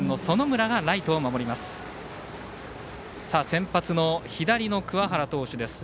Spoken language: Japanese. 先発の左の桑原投手です。